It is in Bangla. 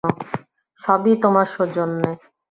সব-ই তোমার সৌজন্যে।